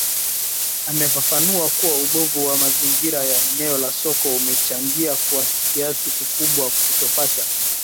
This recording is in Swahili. Amefafanua kuwa ubovu wa mazingira ya eneo la soko umechangia kwa kiasi kikubwa kutopata